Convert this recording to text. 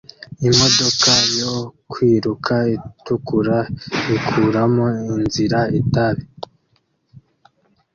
Imodoka yo kwiruka itukura ikuramo inzira itabi